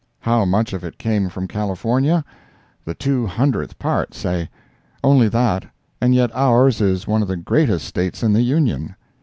How much of it came from California? The two hundredth part, say. Only that—and yet ours is one of the greatest States in the Union.